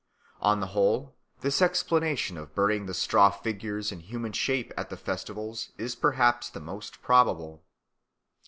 On the whole this explanation of the burning of straw figures in human shape at the festivals is perhaps the most probable.